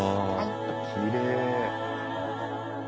わきれい。